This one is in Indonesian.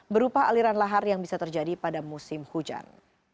berupa aliran lahar yang bisa terjadi pada musim hujan